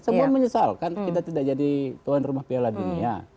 semua menyesalkan kita tidak jadi tuan rumah piala dunia